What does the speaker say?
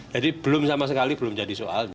jadi belum sama sekali belum jadi soalnya